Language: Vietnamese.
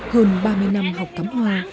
hơn ba mươi năm học cắm hoa